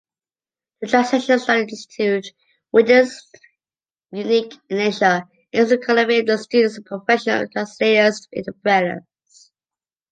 The Translation Study Institute, which is unique in Asia, aims at cultivating the students into professional translators and interpreters.